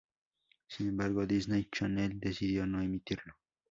Sin embargo, Disney Channel decidió no emitirlo.